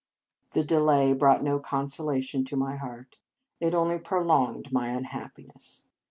The delay brought no consolation to my heart. It only prolonged my unhappiness.